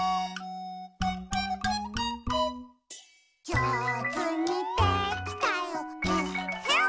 「じょうずにできたよえっへん」